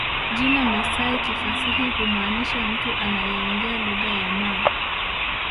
Jina Masai kifasihi humaanisha mtu anayeongea lugha ya Maa